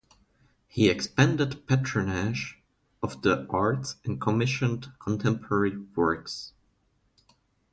He expanded patronage of the arts and commissioned contemporary works.